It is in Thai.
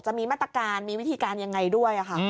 จะมีมาตรการมีวิธีการยังไงด้วยค่ะ